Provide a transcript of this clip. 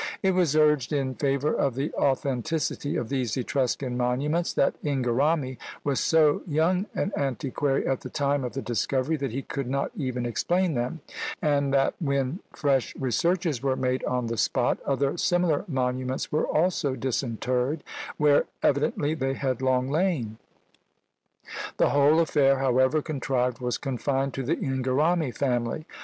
It was urged in favour of the authenticity of these Etruscan monuments, that Inghirami was so young an antiquary at the time of the discovery, that he could not even explain them; and that when fresh researches were made on the spot, other similar monuments were also disinterred, where evidently they had long lain; the whole affair, however contrived, was confined to the Inghirami family.